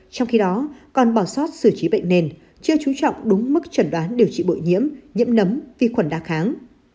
trong khi đó còn bỏ sót sử trí bệnh nền chưa trú trọng đúng mức chẩn đoán điều trị bội nhiễm nhiễm nấm vi khuẩn đa kháng